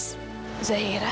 itu kan zairah